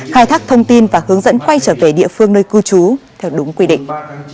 khai thác thông tin và hướng dẫn quay trở về địa phương nơi cư trú theo đúng quy định